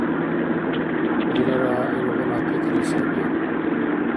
Дилара илгъуна пикри саби